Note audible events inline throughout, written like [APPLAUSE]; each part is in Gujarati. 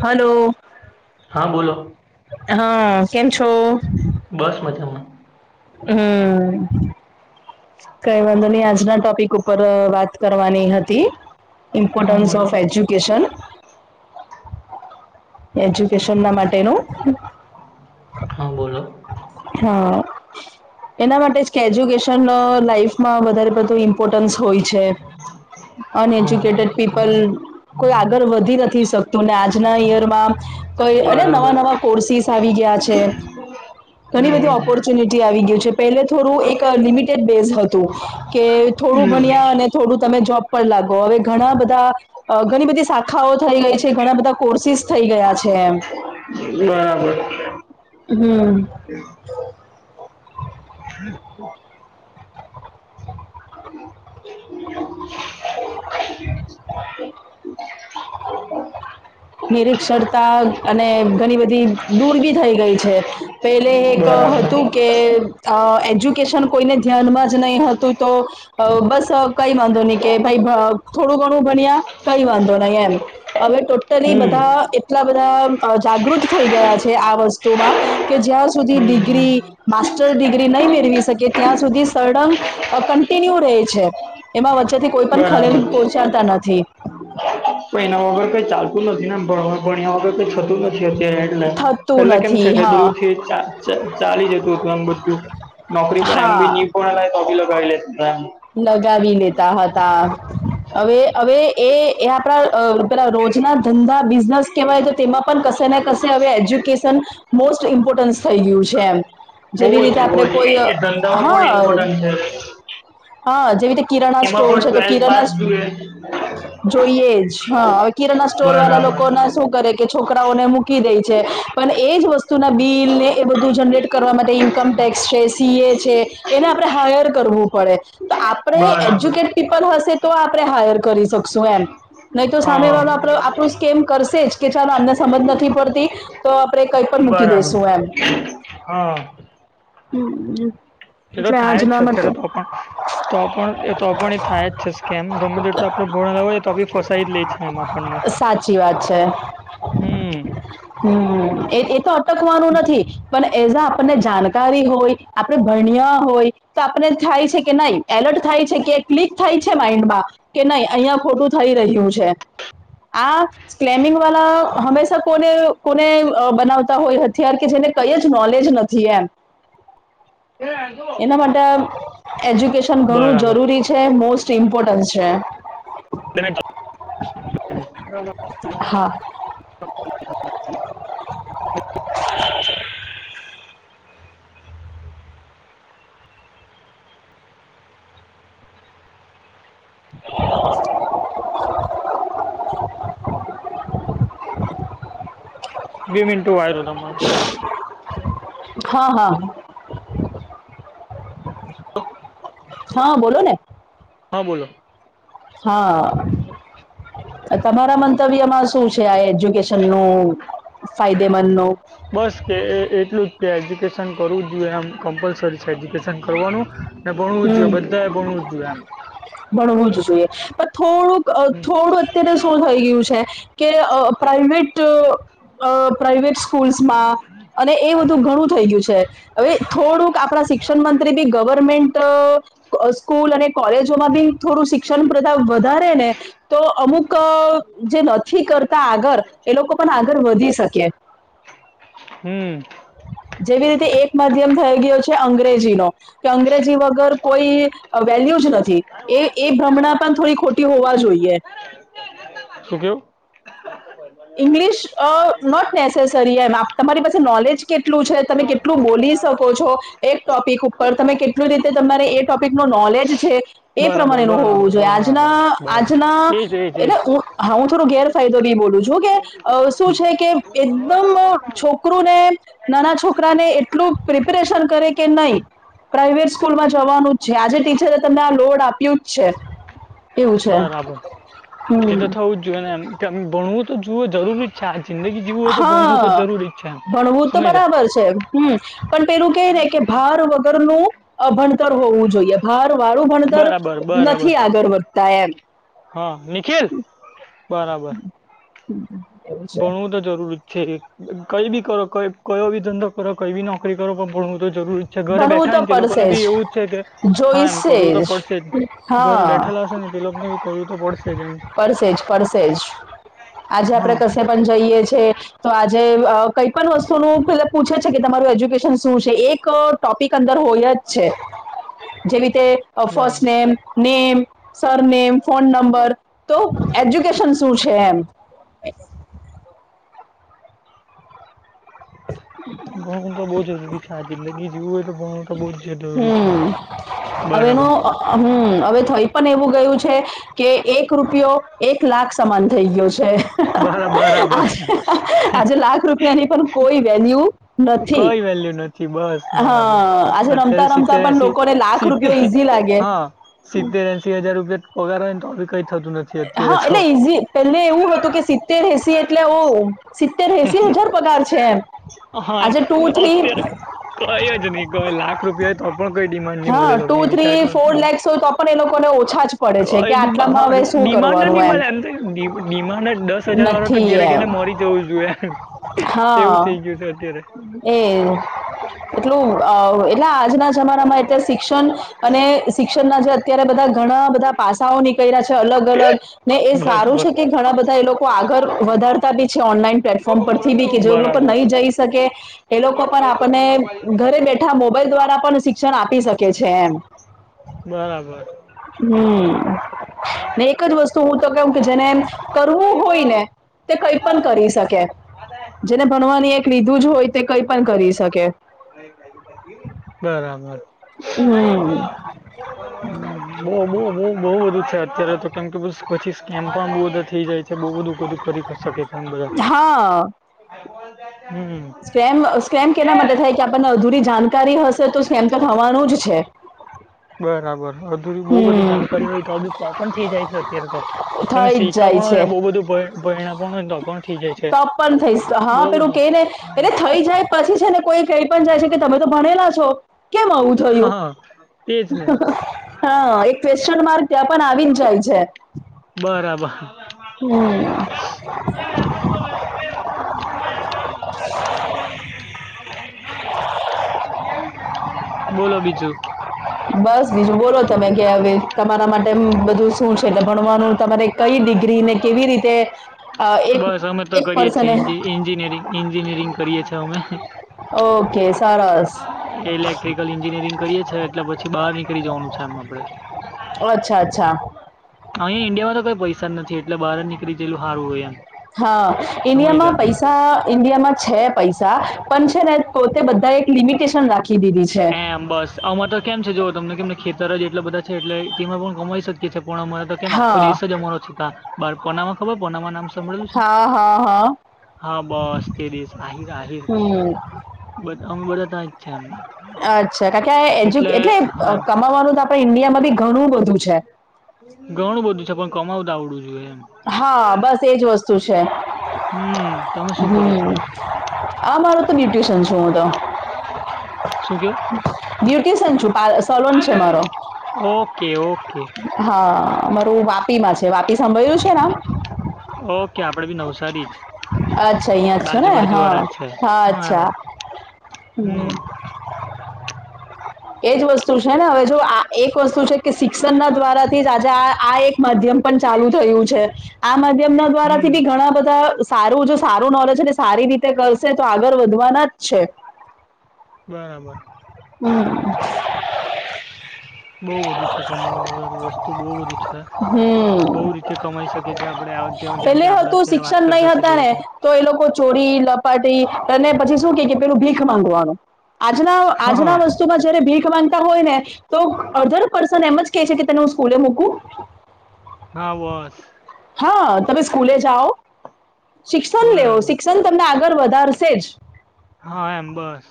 હલો. હા બોલો હા, કેમ છો? બસ મજામાં. હમ્મ, કઈ વાંધો નહી આજના ટોપિક અહ ઉપર વાત કરવાની હતી હા ઇમ્પોર્ટન્સ બોલો ઓફ એજ્યુકેશન. એજ્યુકેશન ના માટેનું હા, બોલો. હા, એના માટે જ કે એજ્યુકેશન અહ લાઈફમાં વધારે પડતું ઇન મ્પોર્ટન્સ હોય છે હા અનએજ્યુકેટેડ પીપલ કોઈ આગળ વધી નથી શકતું આજના ઈયર માં કઈ અને નવા બરાબર નવા કોર્સિસ આવી ગયા છે. ઘણી બધી હમ હમ, ઓપોર્ચ્યુનિટી આવી ગયું છે પેલે થોડું એક અહ લિમિટેડ બેઝ હતું. કે થોડું ભણ્યા અને થોડું તમે જોબ પર લાગો હવે ઘણા બધા અહ ઘણી બધી શાખાઓ થઈ ગઈ છે ઘણા બધા કોર્સિસ થઈ ગયા છે એમ. યાહ વ. હમ્મ. [INAUDIBLE] [INAUDIBLE] નિરીક્ષરતા અને ઘણી બધી દૂર બી થઈ ગઈ છે પેલે એક અહ બરાબર હતું કે અહ એજ્યુકેશન કોઈને ધ્યાનમાં જ નહીં હતું તો અહ બસ અહ કઈ વાંધો નહી કે ભાઈ ભ થોડું ઘણું ભણ્યા કઈ વાંધો નઈ એમ. હવે ટોટલી હમ બધા એટલા બધા અહ જાગૃત થઈ ગયા છે આ વસ્તુમાં કે જ્યાં સુધી હમ ડિગ્રી માસ્ટર ડિગ્રી નહી મેળવી શકે ત્યાં સુધી સળંગ અહ કન્ટિન્યુ રહે છે એમાં વચ્ચે થી કોઈ પણ ખલેલ બરાબર પહોંચડતા નથી. પણ એના વગર કઈ ચાલતું નથી ને એમ ભ ભાણિયા વગર કઈ થતું નથી અત્યારે. એટલે થતું પેલે કેમ છે નથી કે હા બધું થી ચાલી જતું હતું આમ બધું નોકરી પર એમ બી હા ની ભણાવે તો બી લગાડી લેતા લગાવી લેતા હતા હવે હવે એ આપણા પે રોજના ધંધા બિઝનેસ કવાય તો તેમાં પણ કશે ને કશે હવે એજ્યુકેશન મોસ્ટ ઇમ્પોર્ટન્સ થઈ ગયું છે એમ એમ જેવી બોજ રીતે આપણે બોજ કોઈ એ ધંધામાં પણ હા ઇમ્પોર્ટન્ટ છે હા જેવી રીતે કિરણા એમાં સ્ટોર પણ છે તો ટ્વેલ્થ કિરણા પાસ જોઈએ જોઈએ જ હા હવે કિરણા સ્ટોર વાળા બરાબર લોકો ના શું કરે કે છોકરાઓને મૂકી દે છે પણ એજ વસ્તુ વસ્તુ ના બિલ ને એ બધું જનરેટ કરવા માટે ઇન્કમ ટેક્સ છે સી એ છે એને આપણે હાયર કરવું પડે તો આપણે બરાબર એજ્યુકેટ તે પણ હશે તો આપણે હાયર કરી શકશું એમ નહી તો સામે વાળો હા આપ કેમ કરશે જ કે ચાલ આમને સમજ નથી પડતી તો આપણે કઈ પણ મૂકી બરાબર દેસું એમ હા હમ એ તો એટલે થાય જ છે આજના અત્યારે માટે તો પણ તો પણ એ તો પણ એ થાય જ છે સ્કેમ ગમે તો એટલું આપડે ભોર્ણ લાવય તો બી ફસાઈી જ લે છે એમ આપણને સાચી વાત છે હ હમ હમ એ તો અટકવાનું નથી પણ એઝ આ આપણને જાન હોય આપણે ભણિયા હોય તો આપણે થાય છે કે નાહી એલર્ટ થાય છે કે ક્લિક થાય છે માઈન્ડમાં કે નહી અહિયાં ખોટું થઈ રહ્યું છે આ સ્કેમિંગ વાળા હંમેશા કોને કોને બનાવતા હોય હથિયાર કે જેને કઈ જ નોલેજ નથી એમ [INAUDIBLE] એના માટે એજ્યુકેશન ઘણું બરાબર જરૂરી છે મોસ્ટ ઇમ્પોર્ટન્ છે [UNINTELLIGIBLE] હા બે મિનટ [UNINTELLIGIBLE] તમારો ફોન હા હા [INAUDIBLE] હા બોલો ને. હા બોલો હા તમારા મંતવ્યમાં શું છે. આ એજ્યુકેશન નું ફાયદેમંદ નું બસ કે એ એટલું જ કે એજ્યુકેશન કરવું જોઈએ. એમ કમ્પલસરી છે એજ્યુકેશન કરવાનું ને ભણવું જોએ. હમ બધાએ ભણવું જોઈએ એમ. ભણવું જ જોઈએ પણ થોડુંક હમ થોડુંક અત્યારે શું થઈ ગયું છે કે પ્રાઈવેટ પ્રાઈવેટ સ્કૂલ્માં અને એ બધું ઘણું થઈ ગયું છે. હવે થોડુંક આપણા શિક્ષણ મંત્રી બી ગવર્મેન્ટ સ્કૂલ અને કોલેજ માં બી થોડું શિક્ષણ પ્રથા વધારે ને. તો અમુક જે નથી કરતા આગળ એ લોકો પણ આગળ વધી શકે. હમ જેવી રીતે એક માધ્યમ થઈ ગયો છે અંગ્રેજી નો કે અંગ્રેજી વગર કોઈ વેલ્યુ જ નથી. એ એ ભ્રમણા પણ થોડી ખોટી હોવા જોઈએ [UNINTELLIGIBLE] શું કેવ ઇંગ્લિશ નોટ નેસેસરી એમ તમારી પાસે નોલેજ- કેટલું છે. તમે કેટલું બોલી શકો છો. એક ટોપિક ઉપર તમે કેટ કેટલી રીતે તમારે એ ટોપિક નું નોલેજ છે. એ બરાબર પ્રમાણેનું હોવું બરાબર જોઈએ. આજના બરાબર આજના બરાબર એજ એજ એજ એટલે હા હ થો ગેરાયદો બી બોલું જો કે શું છે કે એકદમ છોકરુ ને નાના છોકરાને એટલું પ્રિપરેશન કરે કે નહી. પ્રાાઈવેટ સ્કૂલમાં જવાનું જ છે. આજે ટીચરે તમને આ લોડ આપ્યું જ છે. એવું છે બરાબર એ તો હમ થવું જ જોઈએ ને એમ કે ભણવું તો જુું જરૂરી છે. આ જિંદગી જીવું હોય તો ભણવું તો હા જરૂરી જ છે એમ. સમયજા. હ પણ પેલું કે ને કે ભાર વગરનું અભણતર હોવું જોઈએ. હાર વાળું ભણતર બરાબર બરાબર નથી. આગળ વધતા એમ. હા નિખિલ બરાબર [UNINTELLIGIBLE] [INAUDIBLE] ભણવું તો જરૂરી જ છે. કઈ બી કરો કયો બી ધંધો કરો કઈ બી નોકરી કરો પણ ભણવું તો જરૂરી ઘરે ભણવું બેઠા તો ને લોકોને પડશે બી એવું જ છે. કે હા એમ કરવું તો જોઈશે પડશે જ ઘરે હા બેઠેલા તે લોકને કરવું તો પડશે જ એમ પડશે જ પડશે જ આજે આપડે હા કશે પણ જઈએ છે. તો આજે કઈ પણ વસ્તુ નું પૂછે છે કે તમારું એજ્યુકેશન શું છે. એક ટોપિક અંદર હોય જ છે જેવી રીતે ફર્સ્ટ બરાબર name name, sir surname, phone number તો એજ્યુકેશન શું છે એમ? [INAUDIBLE] ભણવું તો બો જરૂરી છે. આ જિંદગી જીવવું હોય તો તો બહુ જ જું હમ છે હવેનો બરાબર. અ હમ હવે થઈ પણ એવું ગયું છે કે એક રૂપિયો એક લાખ સમાન થઈ ગયો છે બરા બરાબર આજે લાખ રૂપિયાની પણ કોઈ વેલ્યુ નથી કઈ વેલ્યુ નથી. બસ હા બના આજે અત્યારે રમતા રમતા સિતેર પણ એસી લોકોને લાખ સીતે રૂપિયો ઈઝી લાગે હા સતેર એસી હજાર રૂપિયા પગાર હોય ને તો કઈ થતું નથી. અત્યારે હા તો એટલે ઈઝી પેલે એવું હતું કે સી્તેર એસી એટલે ઉ સિત્તેર એસી હજાર પગાર છે એમ હા એ આજે ટુ થ્રી અત્ય્યારે કઈ જ નહી કઈ લાખ રૂપિયા તો પણ કઈ ડિમાન્ડ નહી હા મળેલો ટુ વિચાર થ્રી કરો છ ફોર તમે લેક્સ હોય તો પણ એ લોકોને ઓછા જ પડે છે કે કોઈ નની આટલામાં મહાગ હવે શું ડિમાન્ડ જ કરવાનું મળે એમ તો ડિમાન્ડ જ દસ હજાર વાળો તો નથી ઘેરે એમ ઘેરે મરી જવું જોઈએ એવું હા થઇ ગયું છે અત્યારે એ એટલું એટલે આજના જમાનામાં અત્યારે શિક્ષણ અને શિક્ષણના જે અત્યારે બધા ઘણા બધા પાસાઓ નીકળ્યા છે. અલગ અલગ ને એ સારું બરાબર છે કે ઘણા બધા એ લોકો આગળ વધારતા બી છે. ઓનલાઈન- પ્લેટફોર્મ પરથી બી કે જે લોકો બરાબર નહીં જઈ શકે એ લોકો પણ આપને ઘરે બેઠા મોબાઈલ દ્વારા પણ શિક્ષણ આપી શકે છે. એમ બરાબર હમ એક જ વસ્તુ હું તો કહ કે જેને એમ કરવું હોય ને તે કઈ પણ કરી શકે હ [UNINTELLIGIBLE] જેને ભણવાની એક લીધું જ હોય તે કઈ પણ કરી શકે બરાબર બહ હમ બહુ બઉ બહુ બધુ છે અત્યારે તો કેમ કે પછી સ્કેમ પણ બઉુ બધા થઇ જાય બહુ બધું બધું કરી શકે છે આમ બધા હા ભાઈબોલ હમ સ્કેમ સ્કેમ કેના માટે થાય કે આપણને અધૂરી જાણકારી હશે તો સ્કેમ તો થવાનું જ છે બરાબર અધુરી બહુ બધી હમ જાણકારી હોય તો બી પણ થઈ જાય છે અત્યારે તો તમે થઈ શીખવા જ જાય પણ હોય છે ને બહુ બધું પરિણ પણ હોય તો થઇ જાય છે તપ પણ થઈશ હા બહુ પેલું બધું. કે ને પેલે થઈ જાય પછી છે ને કોઈ કઈ પણ જાય છે કે તમે તો ભણેલા છો કેમ આવું હા તેજ ને થયું હા એક ક્વેશ્ચન માર્ક ત્યાં પણ આવી જ જાય છે બરાબર હમ ના બોલો બીજું બસ બીજું બોલો તમે કે હવે તમારા માટે બધું શું છે એટલે ભણવાનું તમારે કઈિગ ને કેવી રીતે એક પસ ન્જિનિયરિંગ કરીયએ છ હમે ઓકે સ ઇલેક્ટ્રિકલ એન્જિનિયરિંગ કરીએ છી એટલે પછી બહાર નીકળી જવાનું છે એમ આપડે અચ્છા અચ્છા અહીં ઈન્ડિયા તો કોઈ પૈસા નથી એટલે બાર નીકળીયેલુંારુંય એમ હા સમય જા ન્માં પૈસા પૈસા ઇન્ડિયામાં છે પૈસા પણ છે ને પોતે બધા એક લિમિટેશન રાખી દીધી છે હ બસ આમાંરે તો કેમ છે જોઓ તમને કેમને ખેતર જ એટલા બધા છે એટલે તેમાં પણ કમાઈ શકીએ છીએ પણ અમારે તો કેમ આખો હા દિવસ જમારો છતા બાર પોનામાં ખબર પોનામાં નામ ભળેલું છે હા હા હા હા બસ તે દિવસ આહીર આહીર હમ બ અંગ બધા ત જ છે એમને અચ્છા કારણ કે આ એજ્યુ એટલે એમ કમાવાનું તો આપણે ઇન્ડિયામાં બી ઘણું બધું છે ઘણું બધું છે પણ કમાવતા આવડું જો એમ હા બસ એજ વસ્તુ છે હમ તમે શું કરો હમ છો? આ મારુ તો ન્યુટિશન શું તો શું કેવું બ્યુટીશન છું સલોન છે મારો ઓકે ઓકે. હા મારું વાપી માં છે વાપી સાંભળ્યું છે ઓકે આપડે ભી નવસારી જ અચ્છા હીં છો બાજુ ને બાજુ વાળા હા જ છે હા એમ અચ્છા હમ હ એજ વસ્તુ છે ને હવે જો આ એક વસ્તુ છે કે શિક્ષણ ના દ્વારાથી જ આજે આ એક માધ્યમ પણ ચાલુ થયું છે આ માધ્યમ ના દ્વારા હમ થી બી ઘણા બધા સારું જો સારું નોલેજને સારી રીતે કરશે તો આગળ વધવાના જ છે બરાબર હમ બઉુ બધુ છે કમા વસ્તુ બહુ બધુ છે બહુ હમ રીતે કમાઈ શકેી આપણે જે જેમ કે પેલે આપડ હતું અત્યારે વાત શિક્ષણ નહી કરતા છે હતા તેવી ને રીતે તો એ લોકો ચોરી લપાટી અને પછી શું કે પેલું ભીખ માંગવાનું આજના આજના હા વસ્તુ જયારે ભીખ ગતા હોય ને તો અડધર પર્સન એમ જ કે છે કે તને હું સ્કૂલે મૂકું હા બસ હા તમે સ્કૂલે જાઓ શિક્ષણ લેવ બરાબર શિક્ષણ તમને આગળ વધારશે જ હા એમ બસ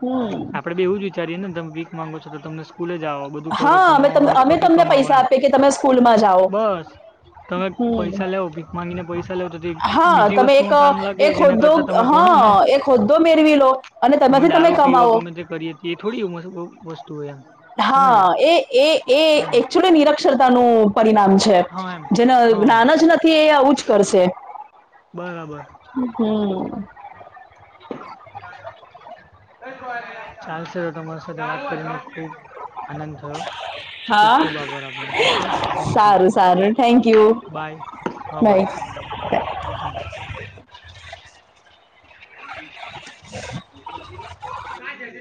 હમ. આપણે બે એવું વિચારી એનેત મે ભીક માગો છો તો તમને સ્કુલે જ આવો બધું કરો હા અમે કમાવો હાથ અમે પગે તમને કમાવો પૈસા એમ આપીએ કે તમે સ્કૂલમાં જાઓ બસ તમે હમ પૈસા લેવો ભીખ માંગીને પૈસા લેવો તો તે હા બીજી તમે એક વસ્તુમાં કામ લાગે એક એના હોદ્દો કરતા તમે હ ભણો ને એક હોદ્દો મેળવી લો અને તેમાંથી તમે કમાવો એ થોડી વસ્તુ વસતુ હોય એમ હા સમજ્યા એ એ એ એમ એકચુલી નિરક્ષરતાનું પરિણામ છે, હા એમ જેને હા જ્ઞાન જ નથી એ આવું જ કરશે બરાબર. હમ. ચાલશે તમારા સાથે [UNINTELLIGIBLE] આનંદ થયો ખુબ હા ખુબ આભાર આપનો ઓકે થેન્ક યુ સારું સારું થેન્કયુ બાય. હમ. [INAUDIBLE]